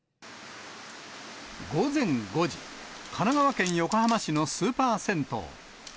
午前５時、神奈川県横浜市のスーパー銭湯。